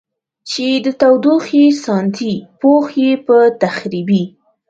چې د تودوخې ساتنې پوښ یې په تخریبي